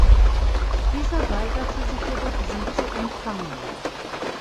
Dieser weigerte sich jedoch, sie zu empfangen.